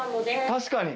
確かに。